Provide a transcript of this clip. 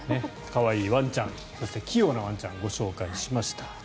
可愛いワンちゃんそして、器用なワンちゃんをご紹介しました。